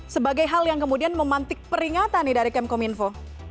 sebagai hal yang kemudian memantik peringatan dari kominfo